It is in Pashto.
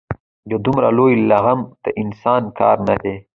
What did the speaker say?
دا دومره لوی لغم د انسان کار نه دی.